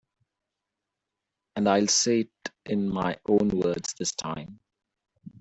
And I'll say it in my own words this time.